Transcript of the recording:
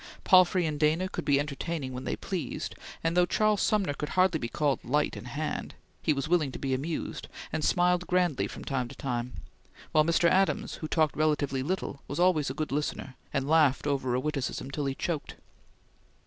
Palfrey and Dana could be entertaining when they pleased, and though Charles Sumner could hardly be called light in hand, he was willing to be amused, and smiled grandly from time to time; while Mr. Adams, who talked relatively little, was always a good listener, and laughed over a witticism till he choked.